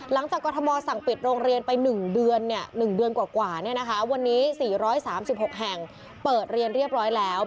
กรทมสั่งปิดโรงเรียนไป๑เดือน๑เดือนกว่าวันนี้๔๓๖แห่งเปิดเรียนเรียบร้อยแล้ว